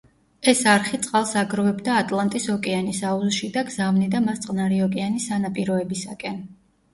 ეს არხი წყალს აგროვებდა ატლანტის ოკეანის აუზში და გზავნიდა მას წყნარი ოკეანის სანაპიროებისაკენ.